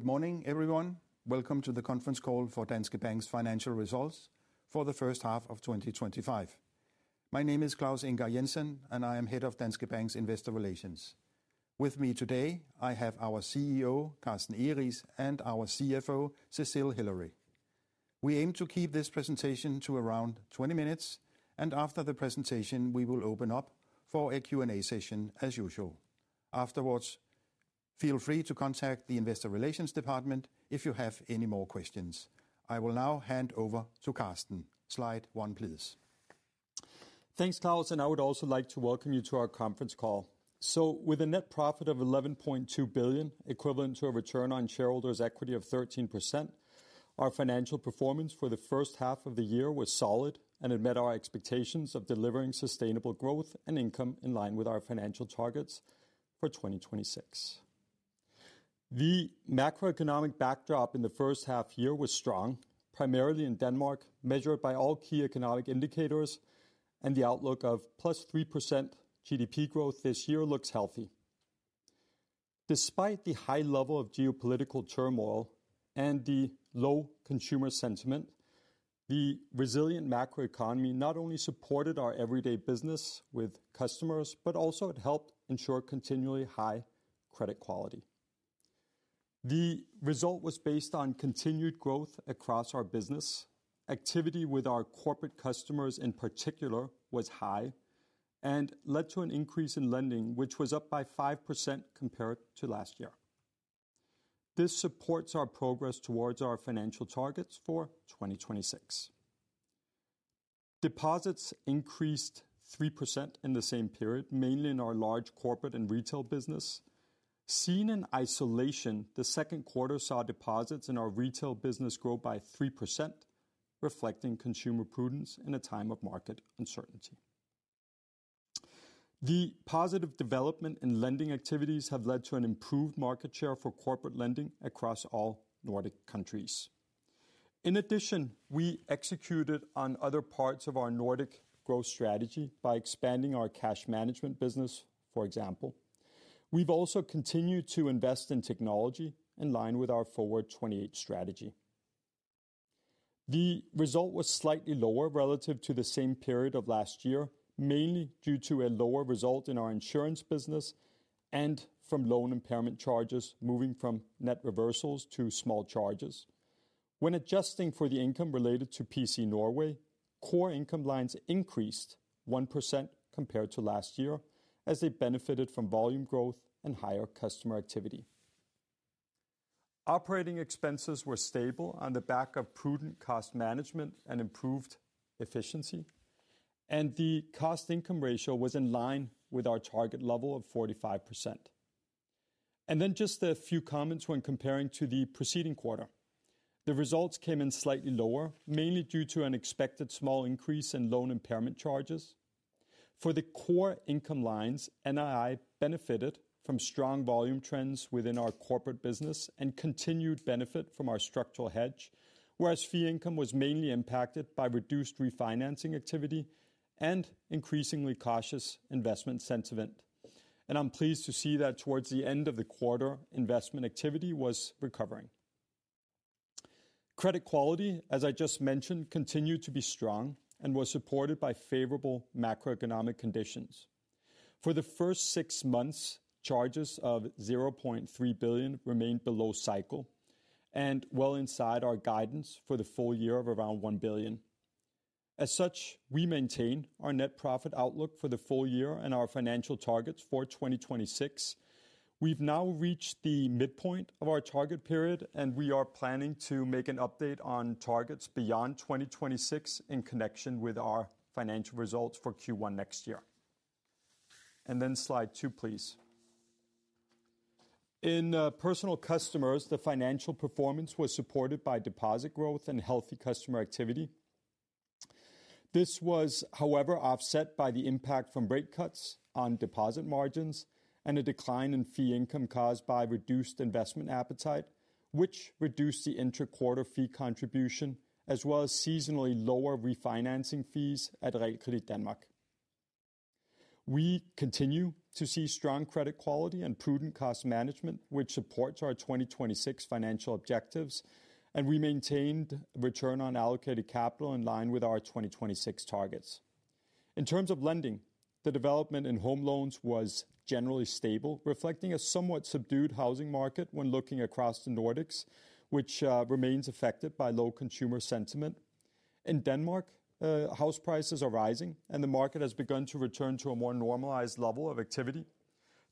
Good morning, everyone. Welcome to the Conference Fall for Danske Bank's Financial Results for the first half of 2025. My name is Claus Jensen, and I am Head of Danske Bank's Investor Relations. With me today, I have our CEO, Carsten Egeriis, and our CFO, Cecile Hillary. We aim to keep this presentation to around 20 minutes, and after the presentation, we will open up for a Q&A session as usual. Afterwards, feel free to contact the investor relations department if you have any more questions. I will now hand over to Carsten. Slide one, please. Thanks, Claus, and I would also like to welcome you to our conference call. So, with a net profit of 11.2 billion, equivalent to a return on shareholders' equity of 13%. Our financial performance for the first half of the year was solid, and it met our expectations of delivering sustainable growth and income in line with our financial targets for 2026. The macroeconomic backdrop in the first half year was strong, primarily in Denmark, measured by all key economic indicators, and the outlook of plus 3% GDP growth this year looks healthy. Despite the high level of geopolitical turmoil and the low consumer sentiment, the resilient macroeconomy not only supported our everyday business with customers, but also it helped ensure continually high credit quality. The result was based on continued growth across our business. Activity with our corporate customers in particular was high. And led to an increase in lending, which was up by 5% compared to last year. This supports our progress towards our financial targets for 2026. Deposits increased 3% in the same period, mainly in our large corporate and retail business. Seen in isolation, the second quarter saw deposits in our retail business grow by 3%. Reflecting consumer prudence in a time of market uncertainty. The positive development in lending activities have led to an improved market share for corporate lending across all Nordic countries. In addition, we executed on other parts of our Nordic growth strategy by expanding our cash management business, for example. We've also continued to invest in technology in line with our Forward 28 strategy. The result was slightly lower relative to the same period of last year, mainly due to a lower result in our insurance business. And from loan impairment charges, moving from net reversals to small charges. When adjusting for the income related to PC Norway, core income lines increased 1% compared to last year as they benefited from volume growth and higher customer activity. Operating expenses were stable on the back of prudent cost management and improved efficiency, and the cost income ratio was in line with our target level of 45%. And then just a few comments when comparing to the preceding quarter. The results came in slightly lower, mainly due to an expected small increase in loan impairment charges. For the core income lines, NII benefited from strong volume trends within our corporate business and continued benefit from our structural hedge, whereas fee income was mainly impacted by reduced refinancing activity and increasingly cautious investment sentiment. And I'm pleased to see that towards the end of the quarter, investment activity was recovering. Credit quality, as I just mentioned, continued to be strong and was supported by favorable macroeconomic conditions. For the first six months, charges of 0.3 billion remained below cycle and well inside our guidance for the full year of around 1 billion. As such, we maintain our net profit outlook for the full year and our financial targets for 2026. We've now reached the midpoint of our target period, and we are planning to make an update on targets beyond 2026 in connection with our financial results for Q1 next year. And then slide two, please. In personal customers, the financial performance was supported by deposit growth and healthy customer activity. This was, however, offset by the impact from rate cuts on deposit margins and a decline in fee income caused by reduced investment appetite, which reduced the interquarter fee contribution as well as seasonally lower refinancing fees at Realkredit Danmark. We continue to see strong credit quality and prudent cost management, which supports our 2026 financial objectives, and we maintained return on allocated capital in line with our 2026 targets. In terms of lending, the development in home loans was generally stable, reflecting a somewhat subdued housing market when looking across the Nordics, which remains affected by low consumer sentiment. In Denmark, house prices are rising, and the market has begun to return to a more normalized level of activity.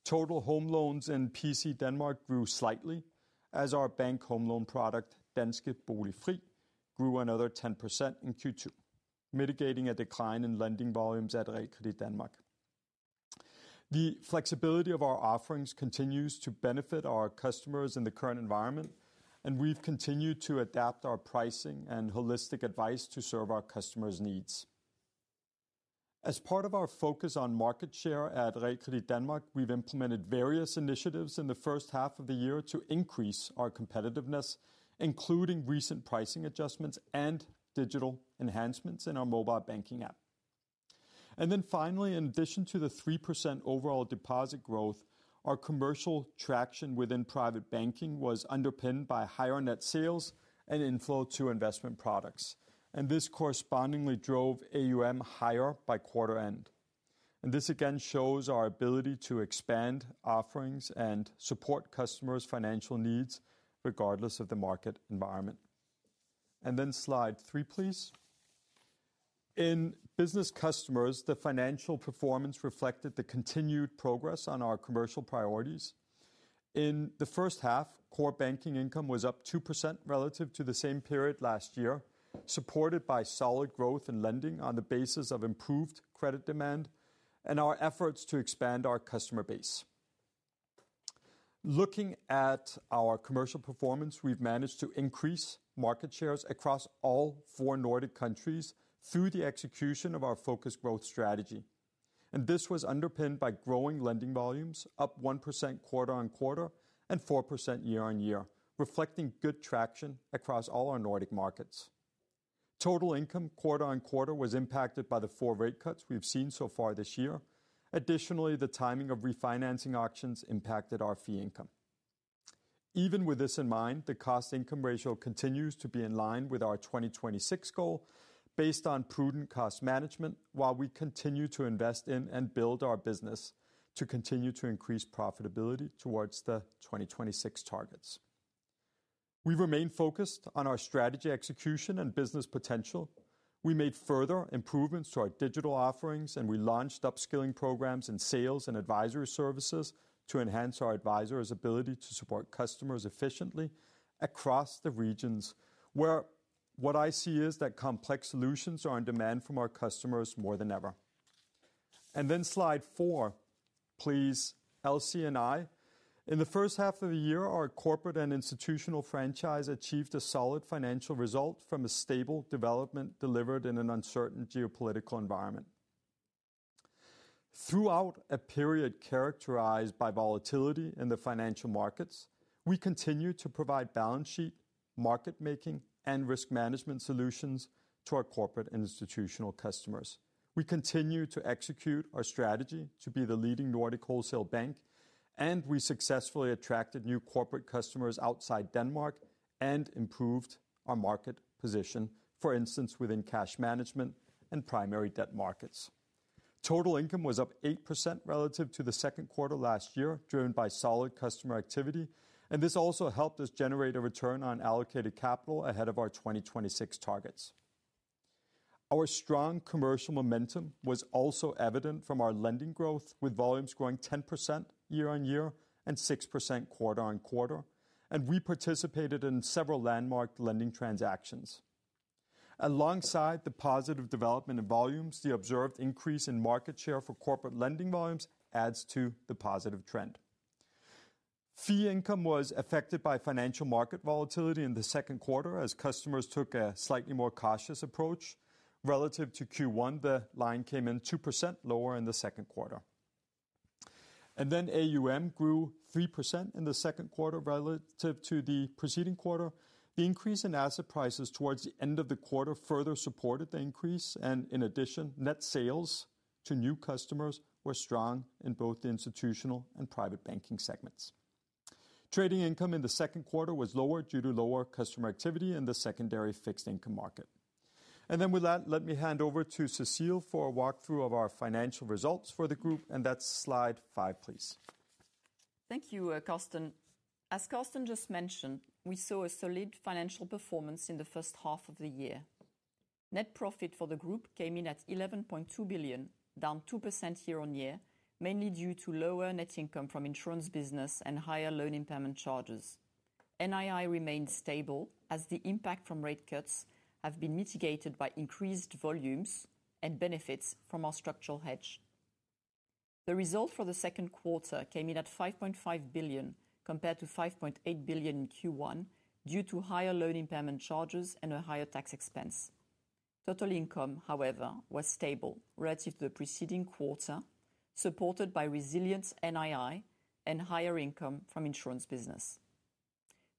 Total home loans in PC Denmark grew slightly as our bank home loan product, Danske Boligfri, grew another 10% in Q2, mitigating a decline in lending volumes at Realkredit Danmark. The flexibility of our offerings continues to benefit our customers in the current environment, and we've continued to adapt our pricing and holistic advice to serve our customers' needs. As part of our focus on market share at Realkredit Danmark, we've implemented various initiatives in the first half of the year to increase our competitiveness, including recent pricing adjustments and digital enhancements in our mobile banking app. And then finally, in addition to the 3% overall deposit growth, our commercial traction within private banking was underpinned by higher net sales and inflow to investment products, and this correspondingly drove AUM higher by quarter end. And this again shows our ability to expand offerings and support customers' financial needs regardless of the market environment. And then slide three, please. In business customers, the financial performance reflected the continued progress on our commercial priorities. In the first half, core banking income was up 2% relative to the same period last year, supported by solid growth in lending on the basis of improved credit demand and our efforts to expand our customer base. Looking at our commercial performance, we've managed to increase market shares across all four Nordic countries through the execution of our focused growth strategy. And this was underpinned by growing lending volumes, up 1% quarter on quarter and 4% year on year, reflecting good traction across all our Nordic markets. Total income quarter on quarter was impacted by the four rate cuts we've seen so far this year. Additionally, the timing of refinancing auctions impacted our fee income. Even with this in mind, the cost income ratio continues to be in line with our 2026 goal based on prudent cost management while we continue to invest in and build our business to continue to increase profitability towards the 2026 targets. We remain focused on our strategy execution and business potential. We made further improvements to our digital offerings, and we launched upskilling programs in sales and advisory services to enhance our advisory's ability to support customers efficiently across the regions. Where what I see is that complex solutions are in demand from our customers more than ever. And then slide four, please, LC&I. In the first half of the year, our corporate and institutional franchise achieved a solid financial result from a stable development delivered in an uncertain geopolitical environment. Throughout a period characterized by volatility in the financial markets, we continue to provide balance sheet, market-making, and risk management solutions to our corporate and institutional customers. We continue to execute our strategy to be the leading Nordic wholesale bank, and we successfully attracted new corporate customers outside Denmark and improved our market position, for instance, within cash management and primary debt markets. Total income was up 8% relative to the second quarter last year, driven by solid customer activity, and this also helped us generate a return on allocated capital ahead of our 2026 targets. Our strong commercial momentum was also evident from our lending growth, with volumes growing 10% year on year and 6% quarter on quarter, and we participated in several landmark lending transactions. Alongside the positive development in volumes, the observed increase in market share for corporate lending volumes adds to the positive trend. Fee income was affected by financial market volatility in the second quarter as customers took a slightly more cautious approach. Relative to Q1, the line came in 2% lower in the second quarter. And then AUM grew 3% in the second quarter relative to the preceding quarter. The increase in asset prices towards the end of the quarter further supported the increase, and in addition, net sales to new customers were strong in both the institutional and private banking segments. Trading income in the second quarter was lower due to lower customer activity in the secondary fixed income market. And then with that, let me hand over to Cecile for a walkthrough of our financial results for the group, and that's slide five, please. Thank you, Carsten. As Carsten just mentioned, we saw a solid financial performance in the first half of the year. Net profit for the group came in at 11.2 billion, down 2% year on year, mainly due to lower net income from insurance business and higher loan impairment charges. NII remained stable as the impact from rate cuts has been mitigated by increased volumes and benefits from our structural hedge. The result for the second quarter came in at 5.5 billion compared to 5.8 billion in Q1 due to higher loan impairment charges and a higher tax expense. Total income, however, was stable relative to the preceding quarter, supported by resilient NII and higher income from insurance business.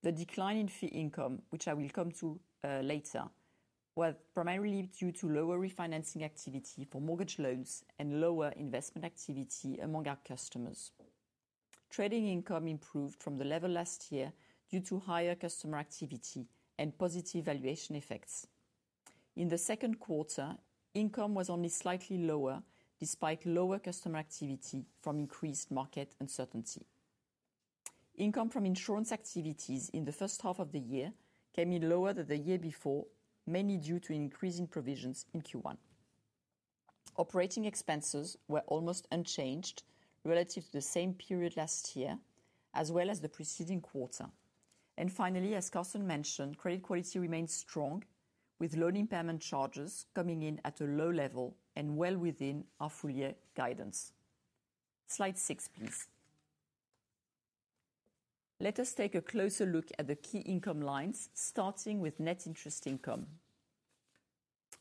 The decline in fee income, which I will come to later, was primarily due to lower refinancing activity for mortgage loans and lower investment activity among our customers. Trading income improved from the level last year due to higher customer activity and positive valuation effects. In the second quarter, income was only slightly lower despite lower customer activity from increased market uncertainty. Income from insurance activities in the first half of the year came in lower than the year before, mainly due to increasing provisions in Q1. Operating expenses were almost unchanged relative to the same period last year, as well as the preceding quarter. And finally, as Carsten mentioned, credit quality remained strong, with loan impairment charges coming in at a low level and well within our full-year guidance. Slide six, please. Let us take a closer look at the key income lines, starting with net interest income.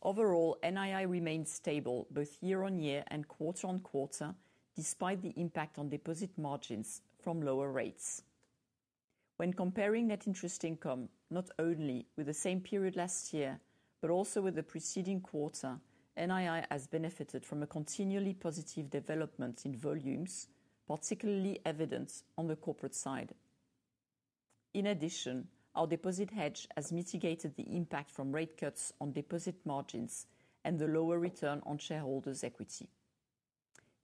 Overall, NII remained stable both year on year and quarter on quarter, despite the impact on deposit margins from lower rates. When comparing net interest income, not only with the same period last year, but also with the preceding quarter, NII has benefited from a continually positive development in volumes, particularly evident on the corporate side. In addition, our deposit hedge has mitigated the impact from rate cuts on deposit margins and the lower return on shareholders' equity.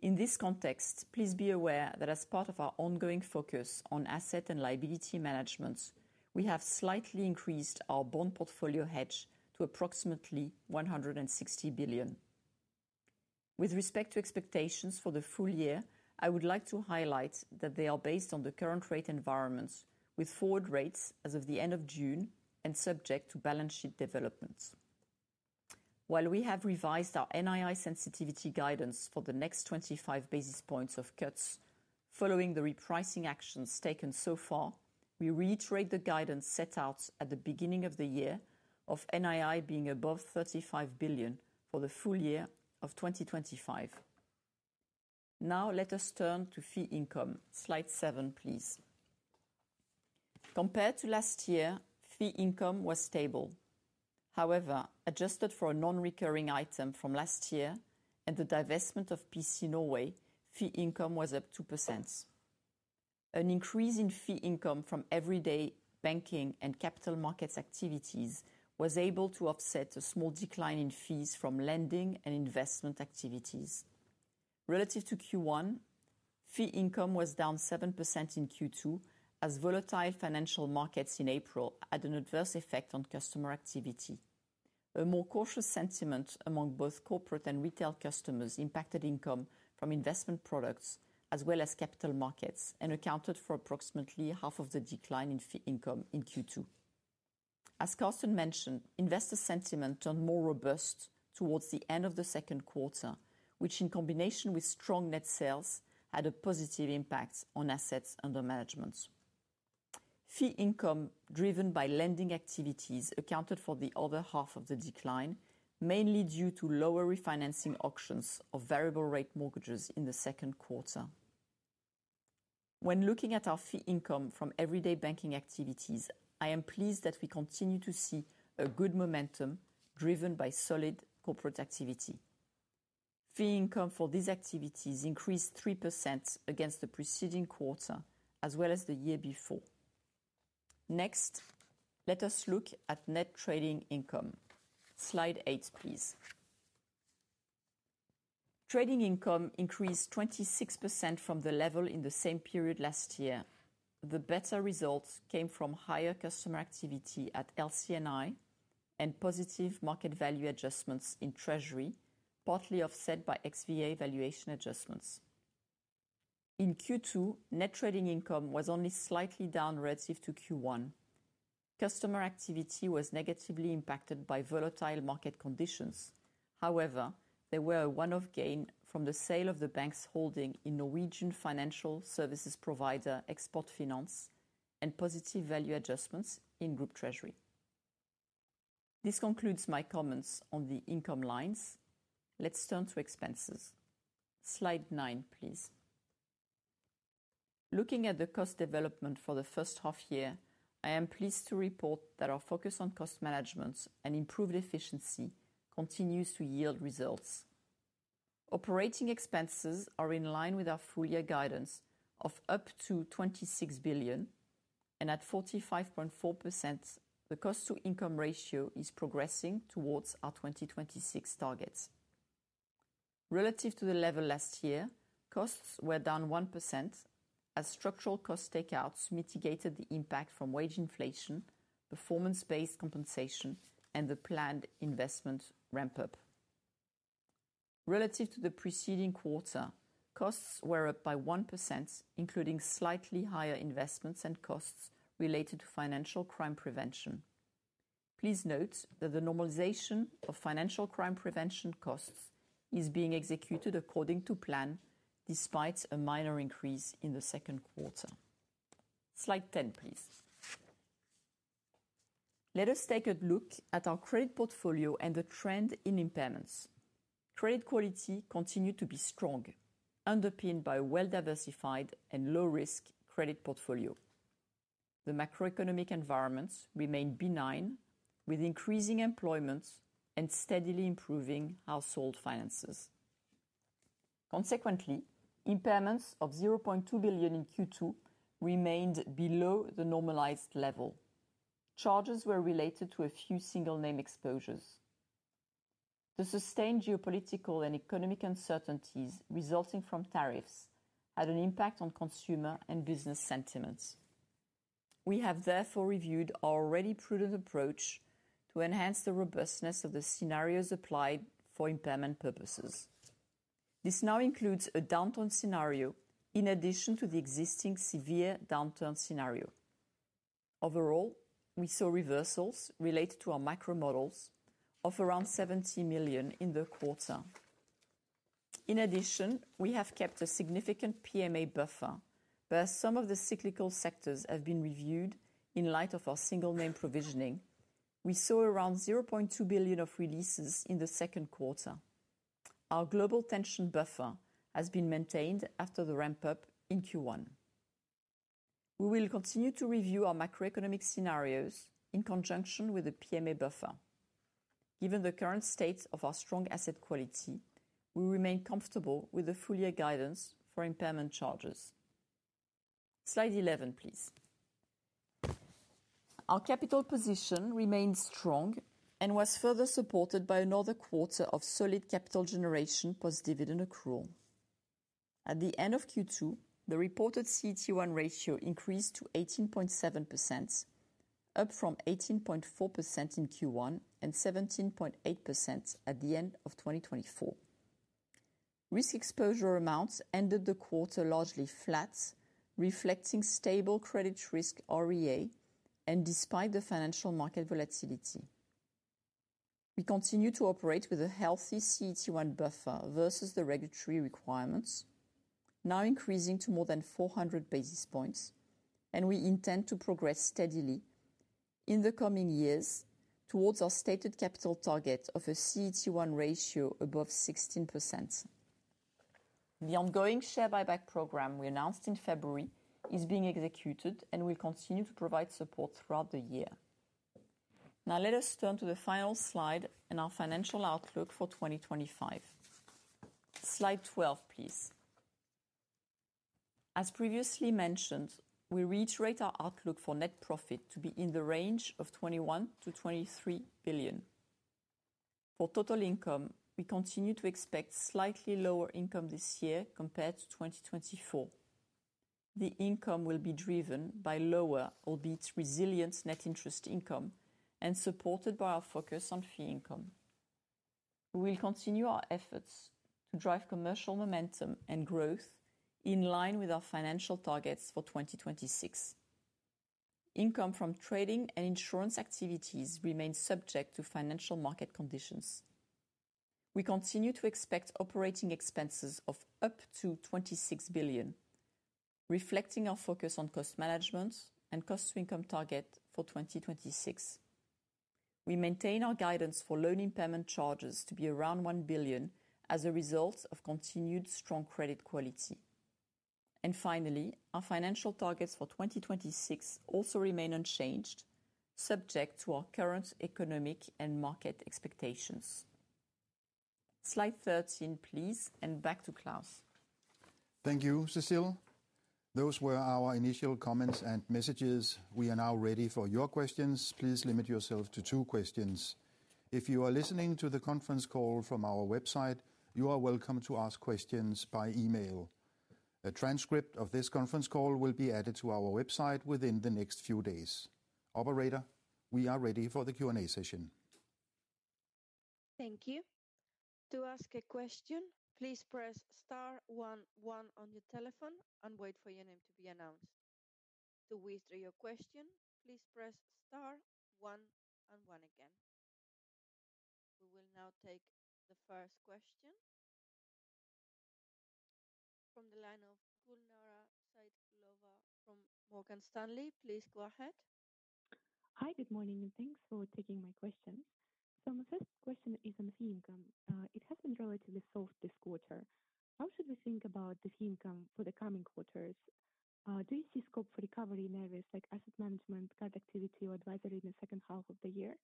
In this context, please be aware that as part of our ongoing focus on asset and liability management, we have slightly increased our bond portfolio hedge to approximately 160 billion. With respect to expectations for the full year, I would like to highlight that they are based on the current rate environments, with forward rates as of the end of June and subject to balance sheet developments. While we have revised our NII sensitivity guidance for the next 25 basis points of cuts following the repricing actions taken so far, we reiterate the guidance set out at the beginning of the year of NII being above 35 billion for the full year of 2025. Now let us turn to fee income. Slide seven, please. Compared to last year, fee income was stable. However, adjusted for a non-recurring item from last year and the divestment of PC Norway, fee income was up 2%. An increase in fee income from everyday banking and capital markets activities was able to offset a small decline in fees from lending and investment activities. Relative to Q1, fee income was down 7% in Q2 as volatile financial markets in April had an adverse effect on customer activity. A more cautious sentiment among both corporate and retail customers impacted income from investment products as well as capital markets and accounted for approximately half of the decline in fee income in Q2. As Carsten mentioned, investor sentiment turned more robust towards the end of the second quarter, which, in combination with strong net sales, had a positive impact on assets under management. Fee income driven by lending activities accounted for the other half of the decline, mainly due to lower refinancing auctions of variable-rate mortgages in the second quarter. When looking at our fee income from everyday banking activities, I am pleased that we continue to see a good momentum driven by solid corporate activity. Fee income for these activities increased 3% against the preceding quarter as well as the year before. Next, let us look at net trading income. Slide eight, please. Trading income increased 26% from the level in the same period last year. The better results came from higher customer activity at LCNI and positive market value adjustments in treasury, partly offset by XVA valuation adjustments. In Q2, net trading income was only slightly down relative to Q1. Customer activity was negatively impacted by volatile market conditions. However, there were a one-off gain from the sale of the bank's holding in Norwegian financial services provider Export Finance and positive value adjustments in group treasury. This concludes my comments on the income lines. Let's turn to expenses. Slide nine, please. Looking at the cost development for the first half year, I am pleased to report that our focus on cost management and improved efficiency continues to yield results. Operating expenses are in line with our full-year guidance of up to 26 billion, and at 45.4%, the cost-to-income ratio is progressing towards our 2026 targets. Relative to the level last year, costs were down 1%. As structural cost takeouts mitigated the impact from wage inflation, performance-based compensation, and the planned investment ramp-up. Relative to the preceding quarter, costs were up by 1%, including slightly higher investments and costs related to financial crime prevention. Please note that the normalization of financial crime prevention costs is being executed according to plan despite a minor increase in the second quarter. Slide 10, please. Let us take a look at our credit portfolio and the trend in impairments. Credit quality continued to be strong, underpinned by a well-diversified and low-risk credit portfolio. The macroeconomic environment remained benign, with increasing employment and steadily improving household finances. Consequently, impairments of 0.2 billion in Q2 remained below the normalized level. Charges were related to a few single-name exposures. The sustained geopolitical and economic uncertainties resulting from tariffs had an impact on consumer and business sentiments. We have therefore reviewed our already prudent approach to enhance the robustness of the scenarios applied for impairment purposes. This now includes a downturn scenario in addition to the existing severe downturn scenario. Overall, we saw reversals related to our macro models of around 70 million in the quarter. In addition, we have kept a significant PMA buffer, where some of the cyclical sectors have been reviewed in light of our single-name provisioning. We saw around 0.2 billion of releases in the second quarter. Our global tension buffer has been maintained after the ramp-up in Q1. We will continue to review our macroeconomic scenarios in conjunction with the PMA buffer. Given the current state of our strong asset quality, we remain comfortable with the full-year guidance for impairment charges. Slide 11, please. Our capital position remained strong and was further supported by another quarter of solid capital generation post-dividend accrual. At the end of Q2, the reported CET1 ratio increased to 18.7%. Up from 18.4% in Q1 and 17.8% at the end of 2024. Risk exposure amounts ended the quarter largely flat, reflecting stable credit risk REA and despite the financial market volatility. We continue to operate with a healthy CET1 buffer versus the regulatory requirements, now increasing to more than 400 basis points, and we intend to progress steadily in the coming years towards our stated capital target of a CET1 ratio above 16%. The ongoing share buyback program we announced in February is being executed and will continue to provide support throughout the year. Now let us turn to the final slide and our financial outlook for 2025. Slide 12, please. As previously mentioned, we reiterate our outlook for net profit to be in the range of 21 billion- 23 billion. For total income, we continue to expect slightly lower income this year compared to 2024. The income will be driven by lower, albeit resilient, net interest income and supported by our focus on fee income. We will continue our efforts to drive commercial momentum and growth in line with our financial targets for 2026. Income from trading and insurance activities remains subject to financial market conditions. We continue to expect operating expenses of up to 26 billion, reflecting our focus on cost management and cost-to-income target for 2026. We maintain our guidance for loan impairment charges to be around 1 billion as a result of continued strong credit quality. And finally, our financial targets for 2026 also remain unchanged, subject to our current economic and market expectations. Slide 13, please, and back to Claus. Thank you, Cecile. Those were our initial comments and messages. We are now ready for your questions. Please limit yourself to two questions. If you are listening to the conference call from our website, you are welcome to ask questions by email. A transcript of this conference call will be added to our website within the next few days. Operator, we are ready for the Q&A session. Thank you. To ask a question, please press Star one one on your telephone and wait for your name to be announced. To withdraw your question, please press Star one one again. We will now take the first question. From the line of Gulnara Saitkulova from Morgan Stanley, please go ahead. Hi, good morning, and thanks for taking my question. So my first question is on the fee income. It has been relatively soft this quarter. How should we think about the fee income for the coming quarters? Do you see scope for recovery in areas like asset management, card activity, or advisory in the second half of the year?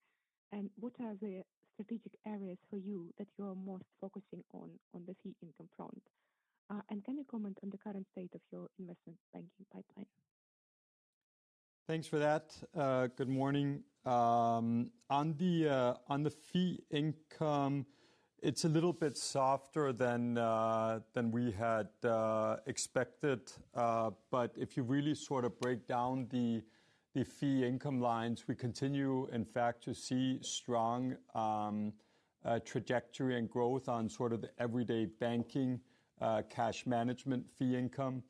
And what are the strategic areas for you that you are most focusing on on the fee income front? And can you comment on the current state of your investment banking pipeline? Thanks for that. Good morning. On the fee income, it's a little bit softer than we had expected. But if you really sort of break down the fee income lines, we continue, in fact, to see strong trajectory and growth on sort of the everyday banking cash management fee income.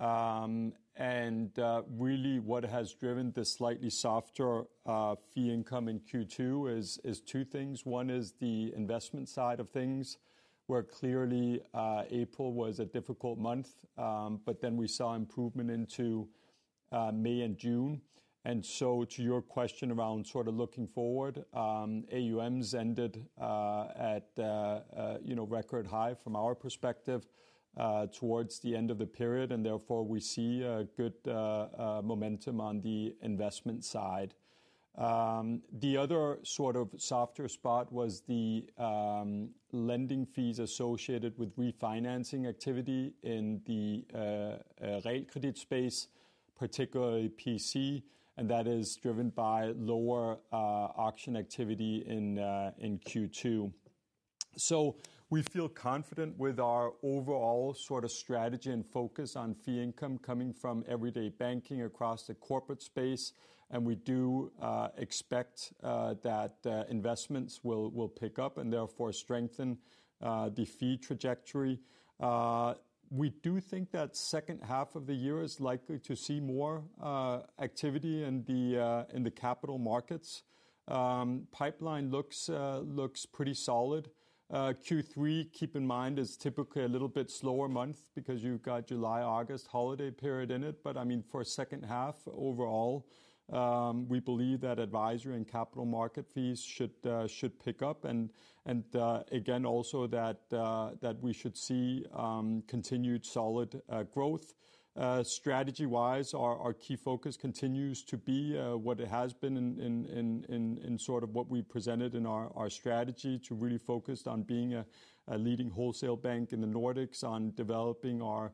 And really, what has driven the slightly softer fee income in Q2 is two things. One is the investment side of things, where clearly April was a difficult month, but then we saw improvement into May and June. And so, to your question around sort of looking forward. AUMs ended at record high from our perspective towards the end of the period, and therefore we see good momentum on the investment side. The other sort of softer spot was the lending fees associated with refinancing activity in the rate credit space, particularly PC, and that is driven by lower auction activity in Q2. So we feel confident with our overall sort of strategy and focus on fee income coming from everyday banking across the corporate space, and we do expect that investments will pick up and therefore strengthen the fee trajectory. We do think that second half of the year is likely to see more activity in the capital markets. Pipeline looks pretty solid. Q3, keep in mind, is typically a little bit slower month because you've got July, August holiday period in it. But I mean, for second half overall. We believe that advisory and capital market fees should pick up. And again, also that we should see continued solid growth. Strategy-wise, our key focus continues to be what it has been in sort of what we presented in our strategy to really focus on being a leading wholesale bank in the Nordics, on developing our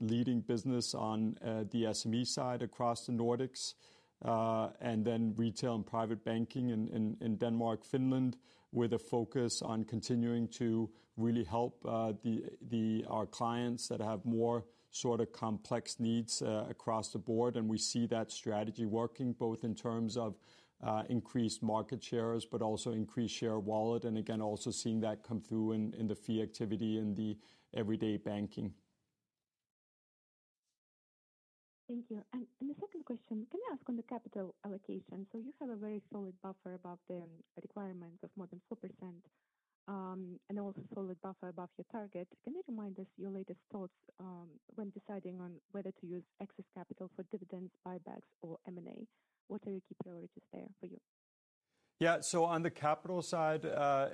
leading business on the SME side across the Nordics. And then retail and private banking in Denmark, Finland, with a focus on continuing to really help our clients that have more sort of complex needs across the board. And we see that strategy working both in terms of increased market shares, but also increased share wallet. And again, also seeing that come through in the fee activity in the everyday banking. Thank you. And the second question, can I ask on the capital allocation? So you have a very solid buffer above the requirements of more than 4%. And also solid buffer above your target. Can you remind us your latest thoughts when deciding on whether to use excess capital for dividends, buybacks, or M&A? What are your key priorities there for you? Yeah, so on the capital side,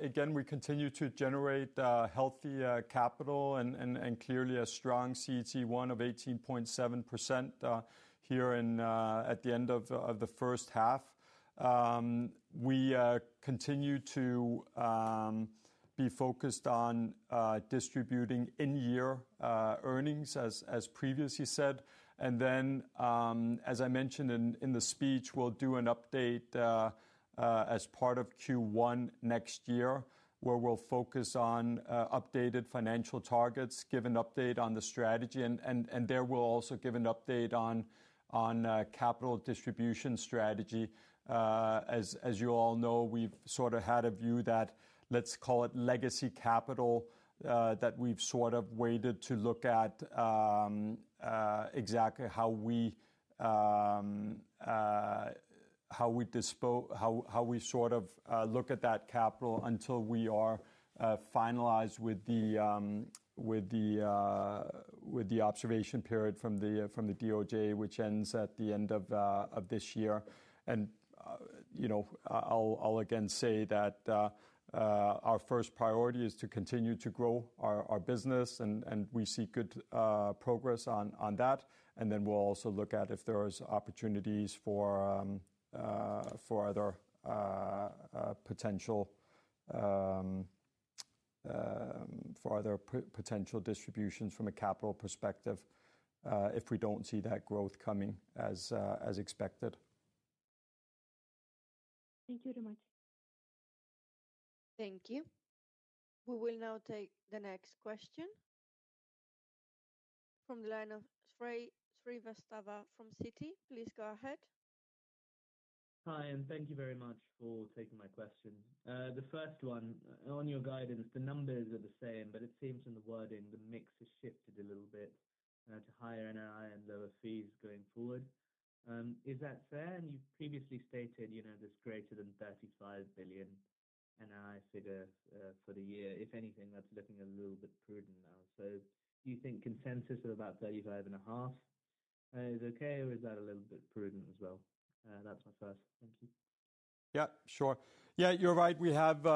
again, we continue to generate healthy capital and clearly a strong CET1 of 18.7%. Here at the end of the first half. We continue to be focused on distributing in-year earnings, as previously said. And then, as I mentioned in the speech, we'll do an update as part of Q1 next year, where we'll focus on updated financial targets, give an update on the strategy, and there we'll also give an update on capital distribution strategy. As you all know, we've sort of had a view that, let's call it legacy capital, that we've sort of waited to look at exactly how we sort of look at that capital until we are finalized with the observation period from the DOJ, which ends at the end of this year. And I'll again say that our first priority is to continue to grow our business, and we see good progress on that. And then we'll also look at if there are opportunities for other potential distributions from a capital perspective if we don't see that growth coming as expected. Thank you very much. Thank you. We will now take the next question from the line of Shrey Srivastava from Citi, please go ahead. Hi, and thank you very much for taking my question. The first one, on your guidance, the numbers are the same, but it seems in the wording the mix has shifted a little bit to higher NII and lower fees going forward. Is that fair? And you've previously stated this greater than 35 billion NII figure for the year. If anything, that's looking a little bit prudent now. So do you think consensus of about 35.5 billion is okay, or is that a little bit prudent as well? That's my first. Thank you. Yeah, sure. Yeah, you're right. We have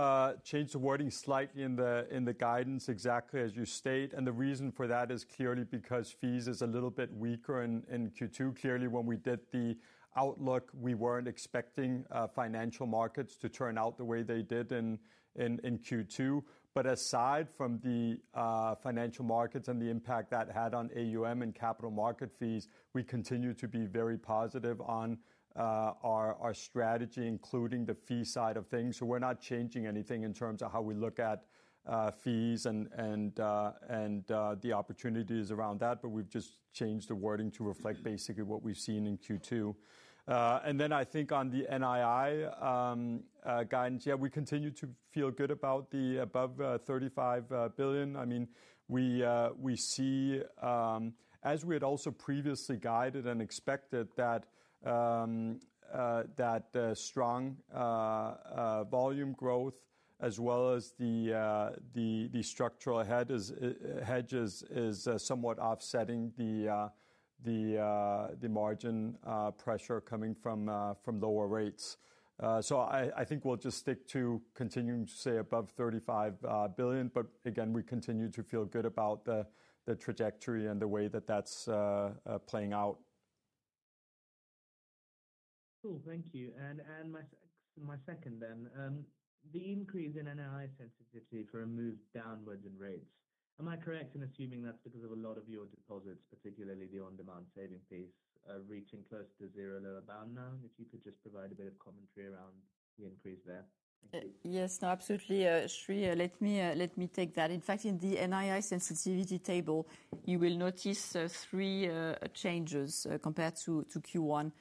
changed the wording slightly in the guidance, exactly as you state. And the reason for that is clearly because fees is a little bit weaker in Q2. Clearly, when we did the outlook, we weren't expecting financial markets to turn out the way they did in Q2. But aside from the financial markets and the impact that had on AUM and capital market fees, we continue to be very positive on our strategy, including the fee side of things. So we're not changing anything in terms of how we look at fees and the opportunities around that, but we've just changed the wording to reflect basically what we've seen in Q2. And then I think on the NII guidance, yeah, we continue to feel good about the above 35 billion. I mean, we see, as we had also previously guided and expected that strong volume growth, as well as the structural hedges, is somewhat offsetting the margin pressure coming from lower rates. So I think we'll just stick to continuing to say above 35 billion. But again, we continue to feel good about the trajectory and the way that that's playing out. Cool. Thank you. And my second then, the increase in NII sensitivity for a move downwards in rates. Am I correct in assuming that's because of a lot of your deposits, particularly the on-demand saving piece, reaching close to zero lower bound now? And if you could just provide a bit of commentary around the increase there. Thank you. Yes, no, absolutely. Sri, let me take that. In fact, in the NII sensitivity table, you will notice three changes compared to Q1.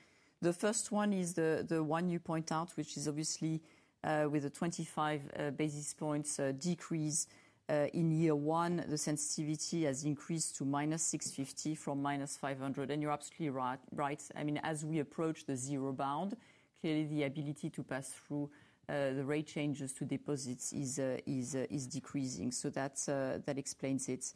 The first one is the one you point out, which is obviously with a 25 basis points decrease in year one. The sensitivity has increased to -650 from -500. And you're absolutely right. I mean, as we approach the zero bound, clearly the ability to pass through the rate changes to deposits is decreasing. So that explains it.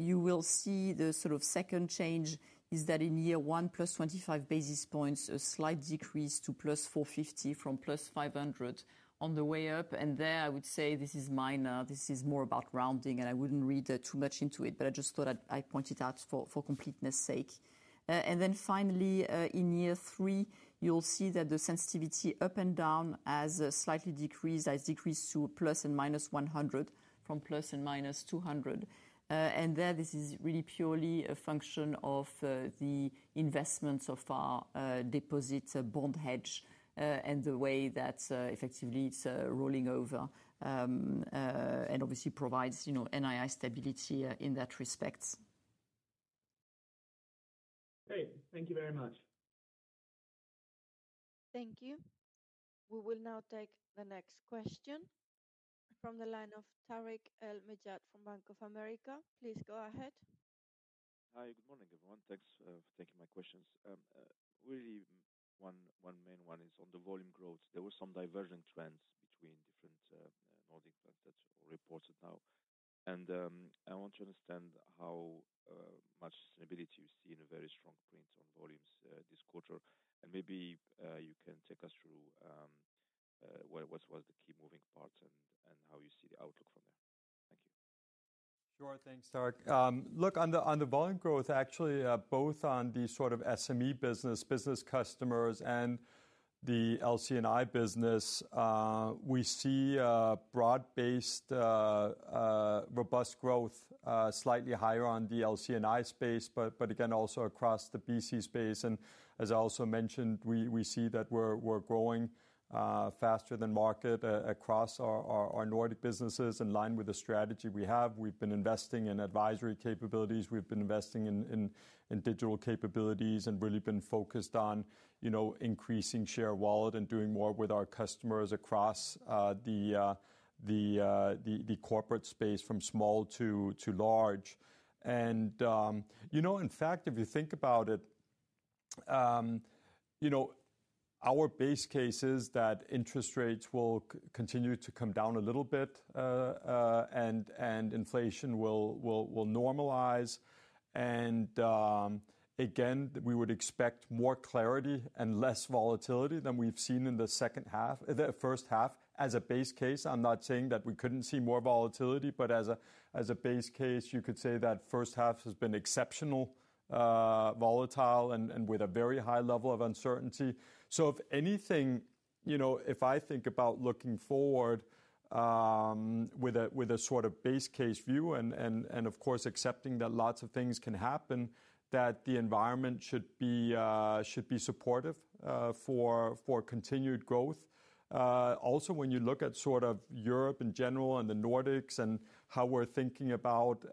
You will see the sort of second change is that in year one, plus 25 basis points, a slight decrease to +450 from +500 on the way up. And there, I would say this is minor. This is more about rounding, and I wouldn't read too much into it, but I just thought I'd point it out for completeness' sake. And then finally, in year three, you'll see that the sensitivity up and down has slightly decreased to ±100 from ±200. And there, this is really purely a function of the investment of our deposit bond hedge and the way that effectively it's rolling over. And obviously provides NII stability in that respect. Great.Thank you very much. Thank you. We will now take the next question. From the line of Tarik El-Mejjad from Bank of America. Please go ahead. Hi, good morning, everyone. Thanks for taking my questions. Really, one main one is on the volume growth. There were some divergent trends between different Nordic banks that are reported now. And I want to understand how much sustainability you see in a very strong print on volumes this quarter. And maybe you can take us through what was the key moving part and how you see the outlook from there. Thank you. Sure, thanks, Tarik. Look, on the volume growth, actually, both on the sort of SME business, business customers, and the LC&I business. We see broad-based robust growth slightly higher on the LC&I space, but again, also across the BC space. And as I also mentioned, we see that we're growing. Faster than market across our Nordic businesses in line with the strategy we have. We've been investing in advisory capabilities. We've been investing in digital capabilities and really been focused on increasing share wallet and doing more with our customers across the corporate space from small to large. And in fact, if you think about it, our base case is that interest rates will continue to come down a little bit. And inflation will normalize. And again, we would expect more clarity and less volatility than we've seen in the second half, the first half. As a base case, I'm not saying that we couldn't see more volatility, but as a base case, you could say that first half has been exceptionally volatile and with a very high level of uncertainty. So if anything, if I think about looking forward with a sort of base case view, and of course accepting that lots of things can happen, that the environment should be supportive for continued growth. Also, when you look at sort of Europe in general and the Nordics and how we're thinking about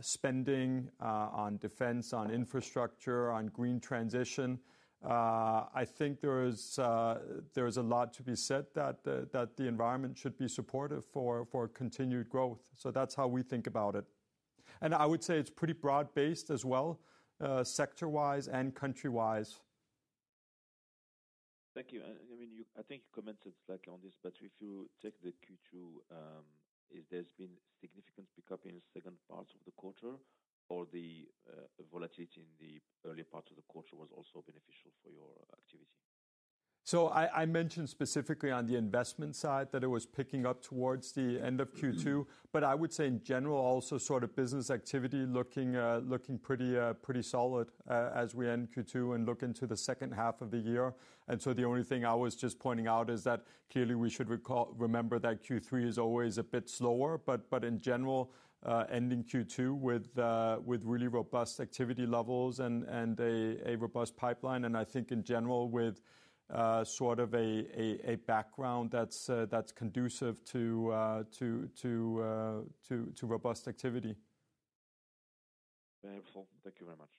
spending on defense, on infrastructure, on green transition, I think there's a lot to be said that the environment should be supportive for continued growth. So that's how we think about it. And I would say it's pretty broad-based as well. Sector-wise and country-wise. Thank you. I mean, I think you commented on this, but if you take the Q2, there's been significant pickup in the second part of the quarter, or the volatility in the early part of the quarter was also beneficial for your activity? So I mentioned specifically on the investment side that it was picking up towards the end of Q2, but I would say in general, also sort of business activity looking pretty solid as we end Q2 and look into the second half of the year. And so the only thing I was just pointing out is that clearly we should remember that Q3 is always a bit slower, but in general, ending Q2 with really robust activity levels and a robust pipeline. And I think in general with sort of a background that's conducive to robust activity. Very helpful. Thank you very much.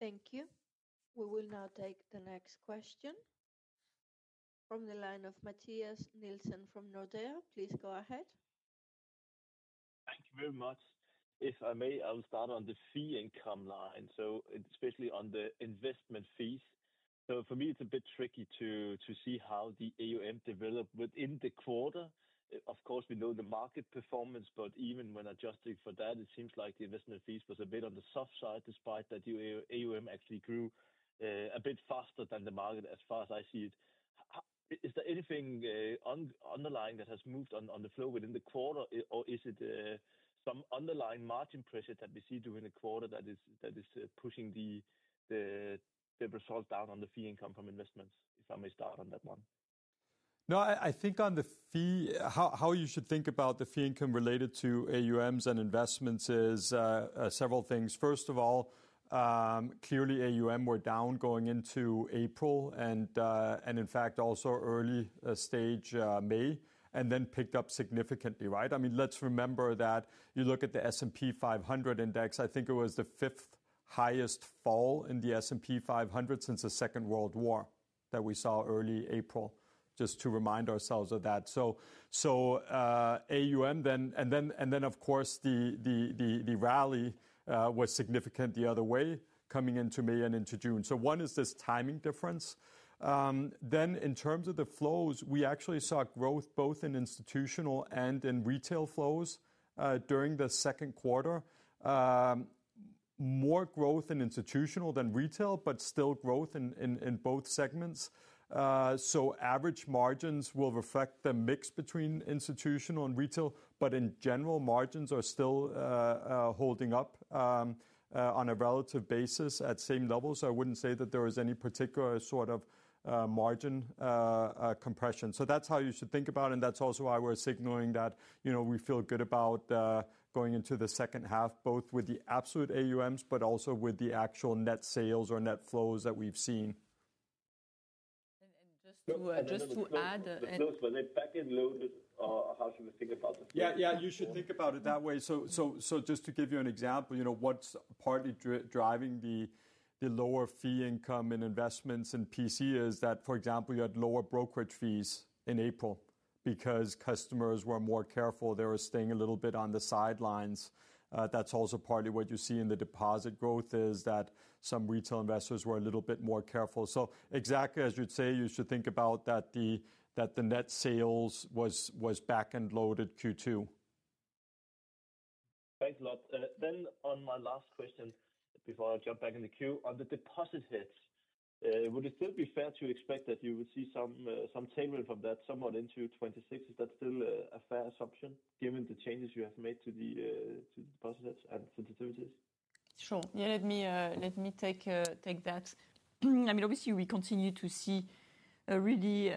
Thank you. We will now take the next question from the line of Mathias Nielsen from Nordea. Please go ahead. Thank you very much. If I may, I'll start on the fee income line, so especially on the investment fees. So for me, it's a bit tricky to see how the AUM developed within the quarter. Of course, we know the market performance, but even when adjusting for that, it seems like the investment fees was a bit on the soft side, despite that AUM actually grew a bit faster than the market, as far as I see it. Is there anything underlying that has moved on the flow within the quarter, or is it. Some underlying margin pressure that we see during the quarter that is pushing the result down on the fee income from investments? If I may start on that one. No, I think on the fee, how you should think about the fee income related to AUMs and investments is several things. First of all. Clearly, AUM were down going into April and, in fact, also early in May, and then picked up significantly, right? I mean, let's remember that you look at the S&P 500 index, I think it was the fifth highest fall in the S&P 500 since the Second World War that we saw early April, just to remind ourselves of that. So, AUM, and then of course the rally was significant the other way coming into May and into June. So one is this timing difference. Then in terms of the flows, we actually saw growth both in institutional and in retail flows during the second quarter. More growth in institutional than retail, but still growth in both segments. So average margins will reflect the mix between institutional and retail, but in general, margins are still holding up. On a relative basis at same levels. I wouldn't say that there is any particular sort of margin compression. So that's how you should think about it, and that's also why we're signaling that we feel good about going into the second half, both with the absolute AUMs, but also with the actual net sales or net flows that we've seen, and just to add. Look, was it back-loaded or how should we think about it? Yeah, yeah, you should think about it that way. So just to give you an example, what's partly driving the lower fee income in investments in PC is that, for example, you had lower brokerage fees in April because customers were more careful. They were staying a little bit on the sidelines. That's also partly what you see in the deposit growth is that some retail investors were a little bit more careful. So exactly as you'd say, you should think about that the net sales was back-loaded Q2. Thanks a lot. Then on my last question before I jump back in the queue, on the deposit hedges, would it still be fair to expect that you would see some tailwind from that somewhat into 2026? Is that still a fair assumption given the changes you have made to the deposits and sensitivities? Sure. Yeah, let me take that. I mean, obviously, we continue to see a really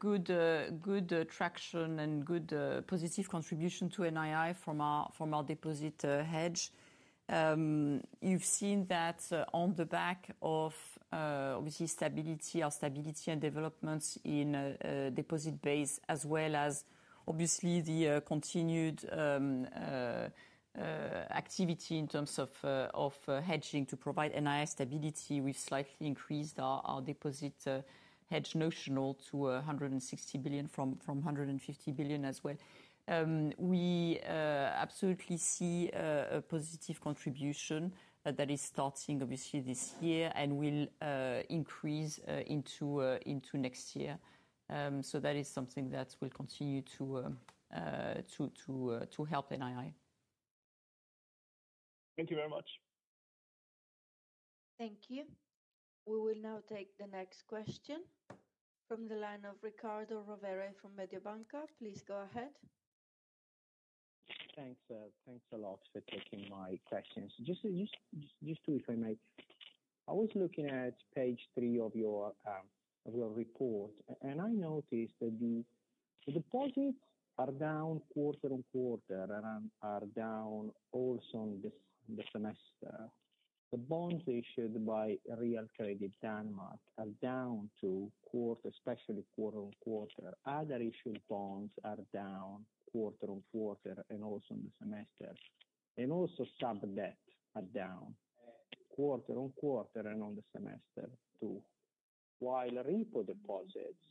good traction and good positive contribution to NII from our deposit hedge. You've seen that on the back of obviously stability of our deposit base, as well as obviously the continued activity in terms of hedging to provide NII stability. We've slightly increased our deposit hedge notional to 160 billion from 150 billion as well. We absolutely see a positive contribution that is starting obviously this year and will increase into next year. So that is something that will continue to help NII. Thank you very much. Thank you. We will now take the next question from the line of Riccardo Rovere from Mediobanca. Please go ahead. Thanks a lot for taking my questions. Just two, if I may. I was looking at page three of your report, and I noticed that the deposits are down quarter on quarter and are down also in the semester. The bonds issued by Realkredit Danmark are down quarter on quarter, especially quarter on quarter. Other issued bonds are down quarter on quarter and also in the semester. And also sub-debt are down quarter on quarter and on the semester too. While repo deposits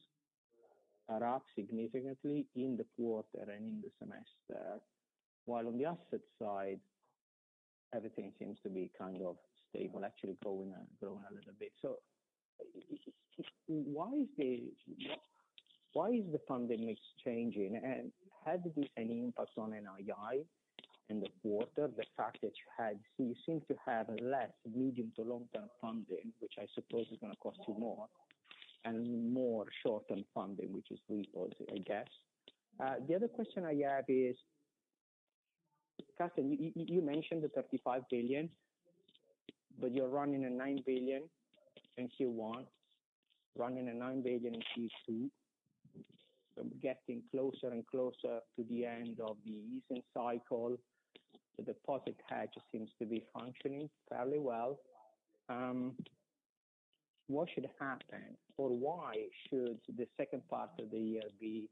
are up significantly in the quarter and in the semester. While on the asset side, everything seems to be kind of stable, actually growing a little bit. So why is the funding mix changing? And has this any impact on NII in the quarter? The fact that you seem to have less medium to long-term funding, which I suppose is going to cost you more, and more short-term funding, which is repos, I guess. The other question I have is Carsten, you mentioned the 35 billion. But you're running a nine billion DKK in Q1, running a nine billion DKK in Q2. So getting closer and closer to the end of the easing cycle. The deposit hedge seems to be functioning fairly well. What should happen or why should the second part of the year be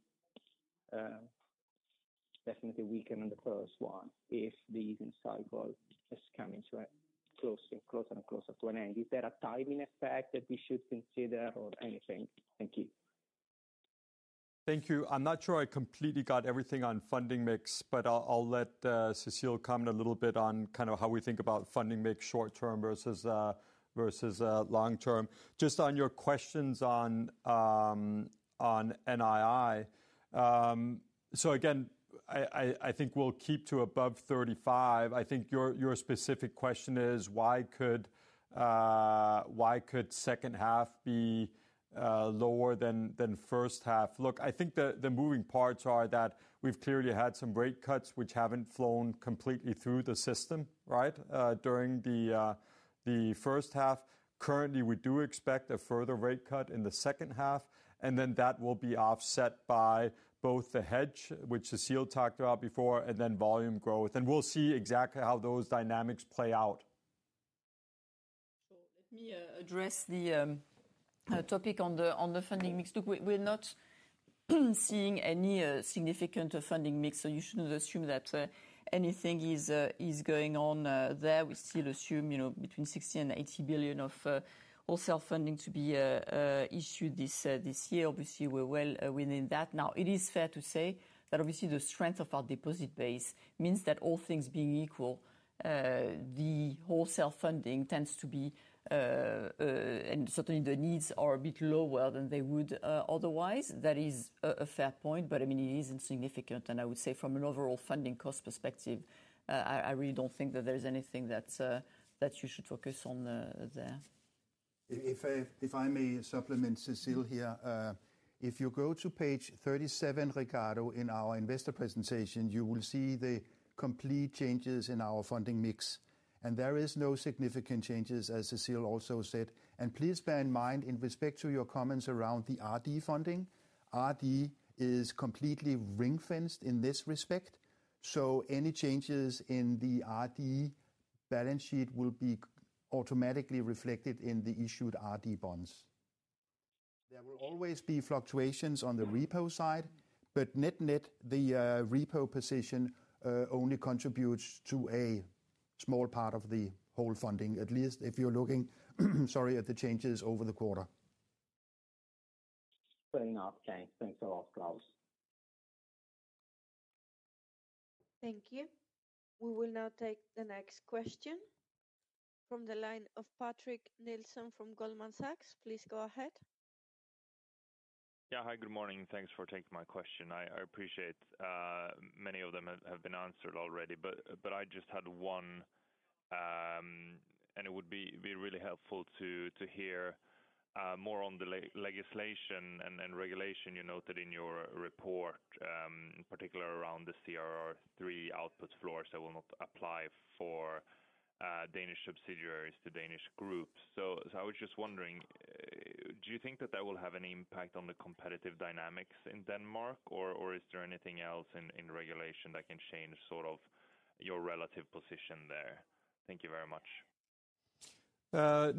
definitely weaker than the first one if the easing cycle is coming to a closer and closer to an end? Is there a timing effect that we should consider or anything? Thank you. Thank you. I'm not sure I completely got everything on funding mix, but I'll let Cecile comment a little bit on kind of how we think about funding mix short-term versus long-term. Just on your questions on NII. So again, I think we'll keep to above 35. I think your specific question is, why could second half be lower than first half? Look, I think the moving parts are that we've clearly had some rate cuts which haven't flowed completely through the system, right, during the first half. Currently, we do expect a further rate cut in the second half, and then that will be offset by both the hedge, which Cecile talked about before, and then volume growth. And we'll see exactly how those dynamics play out. So let me address the topic on the funding mix. Look, we're not seeing any significant change in funding mix, so you shouldn't assume that anything is going on there. We still assume between 60 billion and 80 billion of wholesale funding to be issued this year. Obviously, we're well within that. Now, it is fair to say that obviously the strength of our deposit base means that all things being equal. The wholesale funding tends to be. And certainly the needs are a bit lower than they would otherwise. That is a fair point, but I mean, it is insignificant. And I would say from an overall funding cost perspective, I really don't think that there's anything that. You should focus on there. If I may supplement Cecile here, if you go to page 37, Riccardo, in our investor presentation, you will see the complete changes in our funding mix. And there are no significant changes, as Cecile also said. And please bear in mind in respect to your comments around the RD funding, RD is completely ring-fenced in this respect. So any changes in the RD balance sheet will be automatically reflected in the issued RD bonds. There will always be fluctuations on the repo side, but net net, the repo position. Only contributes to a small part of the whole funding, at least if you're looking, sorry, at the changes over the quarter. Fair enough. Thanks. Thanks a lot, Claus. Thank you. We will now take the next question. From the line of Patrick Nielsen from Goldman Sachs. Please go ahead. Yeah, hi, good morning. Thanks for taking my question. I appreciate. Many of them have been answered already, but I just had one. And it would be really helpful to hear. More on the legislation and regulation you noted in your report. Particularly around the CRR3 output floors that will not apply for. Danish subsidiaries to Danish groups. So I was just wondering. Do you think that that will have an impact on the competitive dynamics in Denmark, or is there anything else in regulation that can change sort of your relative position there? Thank you very much.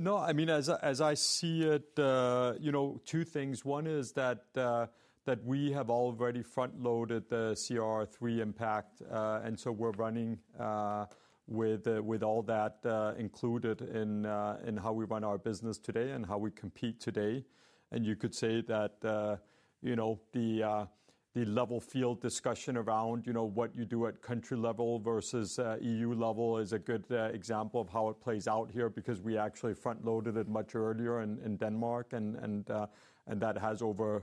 No, I mean, as I see it. Two things. One is that. We have already front-loaded the CRR3 impact, and so we're running. With all that included in how we run our business today and how we compete today. And you could say that. The level field discussion around what you do at country level versus EU level is a good example of how it plays out here because we actually front-loaded it much earlier in Denmark, and that has over.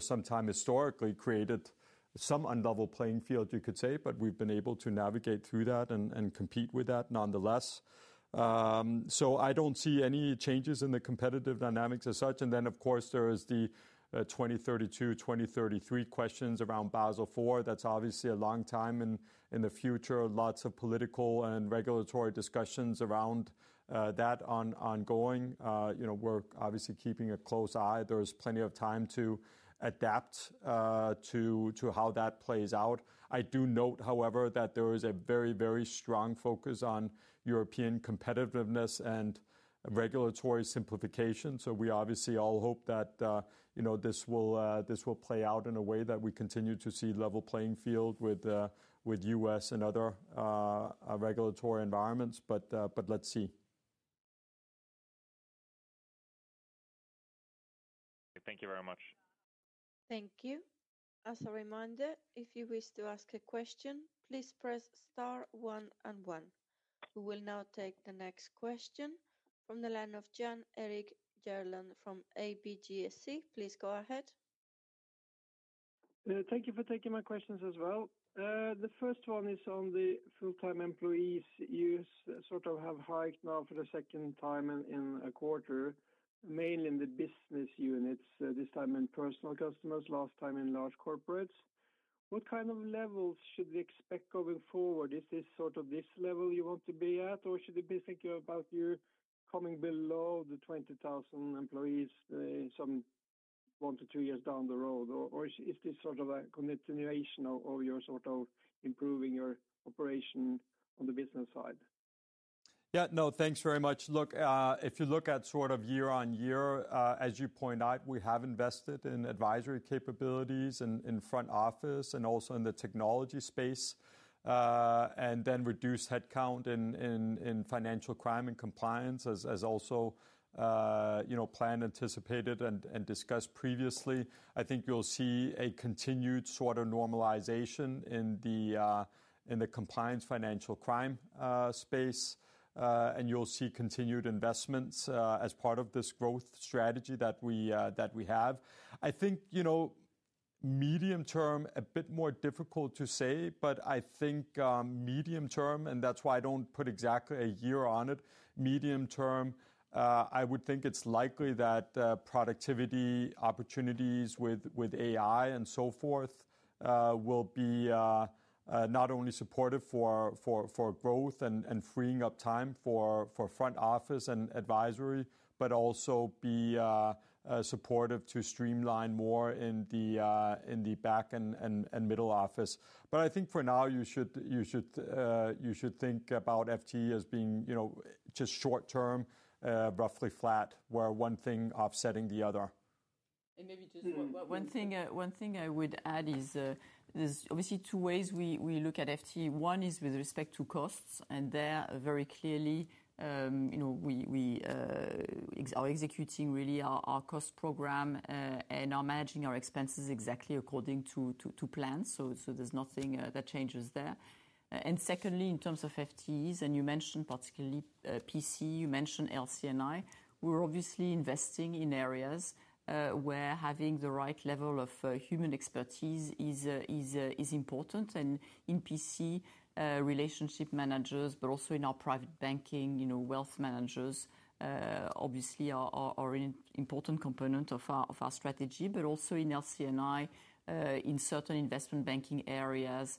Some time historically created some unlevel playing field, you could say, but we've been able to navigate through that and compete with that nonetheless. So I don't see any changes in the competitive dynamics as such. And then, of course, there are the 2032, 2033 questions around Basel IV. That's obviously a long time in the future. Lots of political and regulatory discussions around. That ongoing. We're obviously keeping a close eye. There's plenty of time to adapt. To how that plays out. I do note, however, that there is a very, very strong focus on European competitiveness and regulatory simplification. So we obviously all hope that. This will play out in a way that we continue to see level playing field with. U.S. and other. Regulatory environments, but let's see. Thank you very much. Thank you. As a reminder, if you wish to ask a question, please press star one and one. We will now take the next question from the line of Jan Erik Gjerland from ABGSC. Please go ahead. Thank you for taking my questions as well. The first one is on the FTEs have sort of hiked now for the second time in a quarter, mainly in the business units, this time in personal customers, last time in large corporates. What kind of levels should we expect going forward? Is this sort of this level you want to be at, or should we be thinking about you coming below the 20,000 employees some one to two years down the road? Or is this sort of a continuation of your sort of improving your operation on the business side? Yeah, no, thanks very much. Look, if you look at sort of year on year, as you point out, we have invested in advisory capabilities in front office and also in the technology space. And then reduce headcount in financial crime and compliance, as also planned, anticipated, and discussed previously. I think you'll see a continued sort of normalization in the compliance financial crime space. And you'll see continued investments as part of this growth strategy that we have. I think. Medium term, a bit more difficult to say, but I think. Medium term, and that's why I don't put exactly a year on it, medium term, I would think it's likely that productivity opportunities with AI and so forth. Will be. Not only supportive for. Growth and freeing up time for front office and advisory, but also be. Supportive to streamline more in the. Back and middle office. But I think for now, you should. Think about FTE as being just short-term, roughly flat, where one thing offsetting the other. And maybe just one thing I would add is. There's obviously two ways we look at FTE. One is with respect to costs, and there very clearly. We are executing really our cost program. And are managing our expenses exactly according to plan. So there's nothing that changes there. And secondly, in terms of FTEs, and you mentioned particularly PC, you mentioned LC&I, we're obviously investing in areas where having the right level of human expertise is. Important. And in PC, relationship managers, but also in our private banking, wealth managers. Obviously are an important component of our strategy, but also in LC&I, in certain investment banking areas,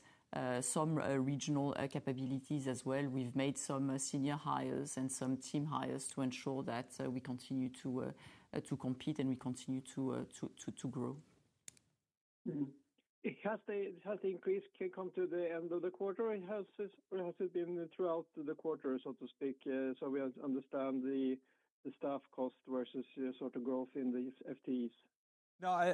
some regional capabilities as well. We've made some senior hires and some team hires to ensure that we continue to. Compete and we continue to grow. Has the increase come to the end of the quarter? Has it been throughout the quarter, so to speak, so we understand the staff cost versus sort of growth in the FTEs? No.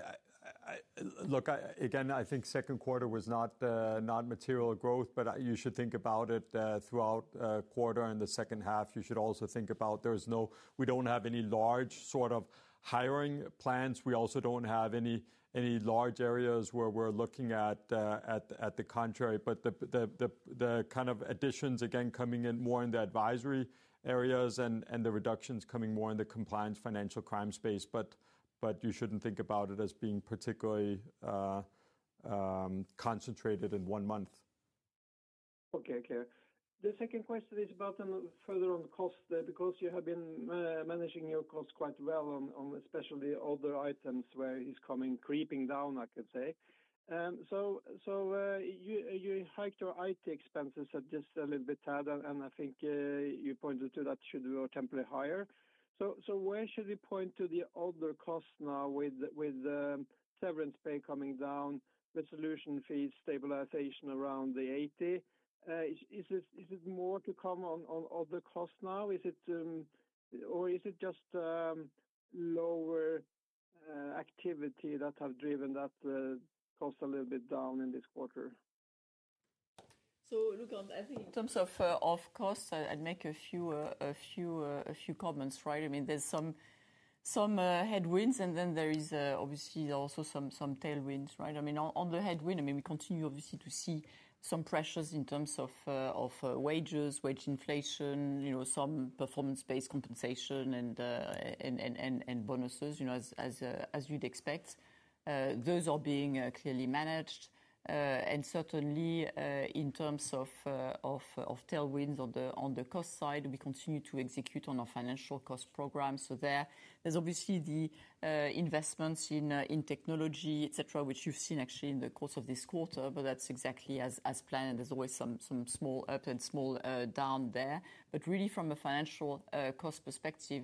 Look, again, I think second quarter was not. Material growth, but you should think about it throughout quarter and the second half. You should also think about there's no we don't have any large sort of hiring plans. We also don't have any large areas where we're looking at the contrary. But the kind of additions, again, coming in more in the advisory areas and the reductions coming more in the compliance financial crime space. But you shouldn't think about it as being particularly concentrated in one month. Okay, okay. The second question is about further on cost because you have been managing your costs quite well, especially other items where it's coming creeping down, I could say. So you hiked your IT expenses just a little bit ahead, and I think you pointed to that should be temporarily higher. So where should we point to the other costs now with severance pay coming down, the solution fees stabilization around the 80? Is it more to come on other costs now? Or is it just lower activity that have driven that cost a little bit down in this quarter? So look, I think in terms of costs, I'd make a few comments, right? I mean, there's some headwinds, and then there is obviously also some tailwinds, right? I mean, on the headwind, I mean, we continue obviously to see some pressures in terms of wages, wage inflation, some performance-based compensation, and bonuses, as you'd expect. Those are being clearly managed. And certainly, in terms of tailwinds on the cost side, we continue to execute on our financial crime cost program. So there's obviously the investments in technology, etc., which you've seen actually in the course of this quarter, but that's exactly as planned. There's always some small up and small down there. But really, from a financial crime cost perspective,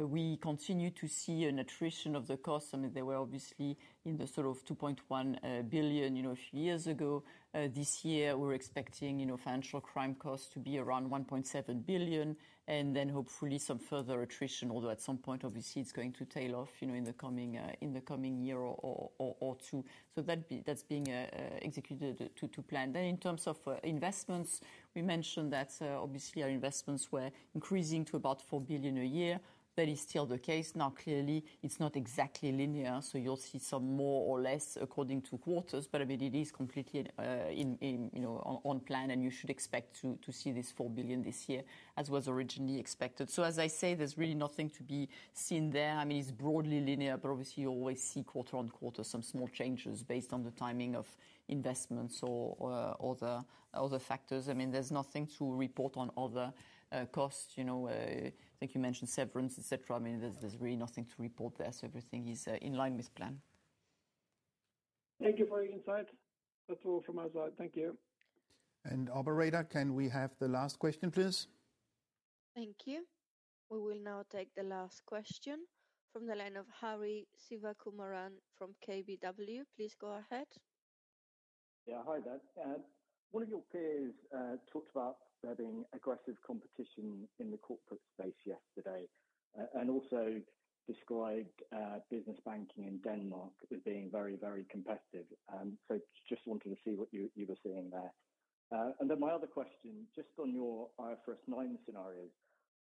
we continue to see an attrition of the cost. I mean, they were obviously in the sort of 2.1 billion a few years ago. This year, we're expecting financial crime costs to be around 1.7 billion, and then hopefully some further attrition, although at some point, obviously, it's going to tail off in the coming year or two. So that's being executed to plan. Then in terms of investments, we mentioned that obviously our investments were increasing to about 4 billion a year. That is still the case. Now, clearly, it's not exactly linear, so you'll see some more or less according to quarters, but I mean, it is completely on plan, and you should expect to see this 4 billion this year as was originally expected. So as I say, there's really nothing to be seen there. I mean, it's broadly linear, but obviously, you always see quarter on quarter some small changes based on the timing of investments or other factors. I mean, there's nothing to report on other costs. I think you mentioned severance, etc. I mean, there's really nothing to report there, so everything is in line with plan. Thank you for your insight. That's all from my side. Thank you. And Operator, can we have the last question, please? Thank you. We will now take the last question from the line of Hari Sivakumaran from KBW. Please go ahead. Yeah, hi there. One of your peers talked about there being aggressive competition in the corporate space yesterday and also described business banking in Denmark as being very, very competitive. So just wanted to see what you were seeing there. And then my other question, just on your IFRS 9 scenarios,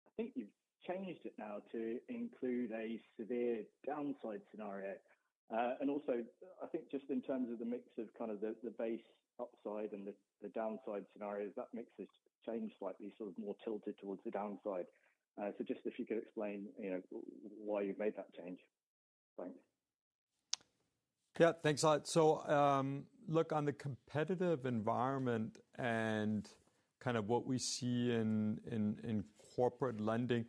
I think you've changed it now to include a severe downside scenario. And also, I think just in terms of the mix of kind of the base upside and the downside scenarios, that mix has changed slightly, sort of more tilted towards the downside. So just if you could explain why you've made that change. Thanks. Yeah, thanks. So look, on the competitive environment and kind of what we see in corporate lending,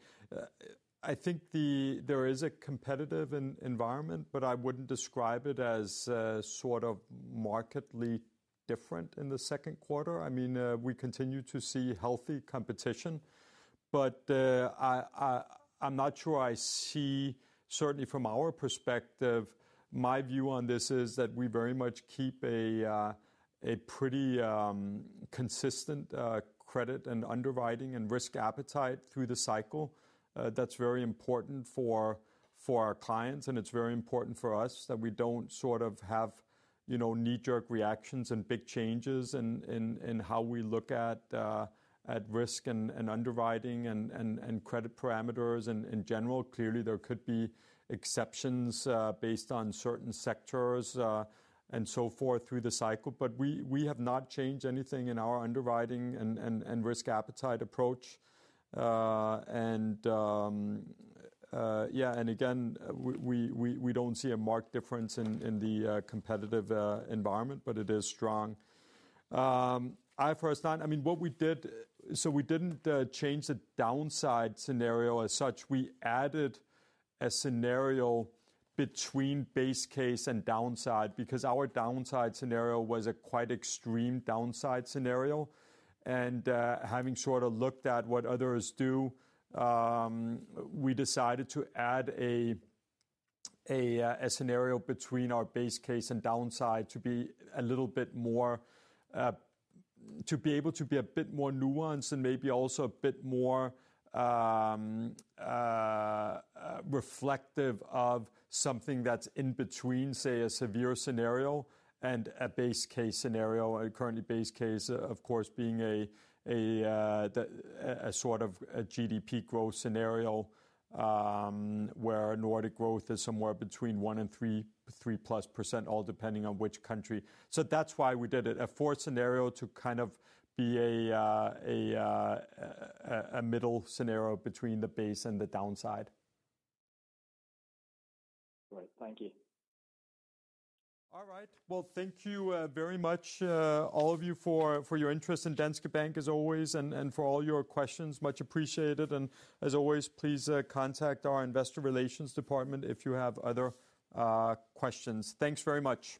I think there is a competitive environment, but I wouldn't describe it as sort of materially different in the second quarter. I mean, we continue to see healthy competition, but I'm not sure I see, certainly from our perspective, my view on this is that we very much keep a pretty consistent credit and underwriting and risk appetite through the cycle. That's very important for our clients, and it's very important for us that we don't sort of have knee-jerk reactions and big changes in how we look at risk and underwriting and credit parameters in general. Clearly, there could be exceptions based on certain sectors and so forth through the cycle, but we have not changed anything in our underwriting and risk appetite approach. And yeah, and again we don't see a marked difference in the competitive environment, but it is strong. IFRS 9, I mean, what we did, so we didn't change the downside scenario as such. We added a scenario between base case and downside because our downside scenario was a quite extreme downside scenario. And having sort of looked at what others do we decided to add a scenario between our base case and downside to be a little bit more to be able to be a bit more nuanced and maybe also a bit more reflective of something that's in between, say, a severe scenario and a base case scenario. Currently, base case, of course, being a sort of a GDP growth scenario where Nordic growth is somewhere between 1%-3+%, all depending on which country. So that's why we did it. A fourth scenario to kind of be a middle scenario between the base and the downside. Great. Thank you. All right. Thank you very much, all of you, for your interest in Danske Bank, as always, and for all your questions. Much appreciated. And as always, please contact our investor relations department if you have other questions. Thanks very much.